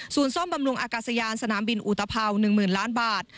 สูญส้มบำรุงอากาศยานสนามบินอุตภาว๑หมื่นล้านบาท